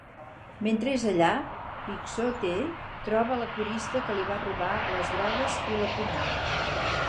Mentre és allà, Pixote troba la corista que li va robar les drogues i l'apunyala.